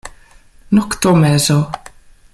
Noktomezo.